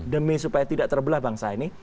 demi supaya tidak terbelah bangsa ini